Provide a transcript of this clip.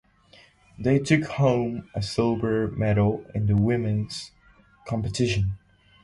They took home a silver medal in the women's competition.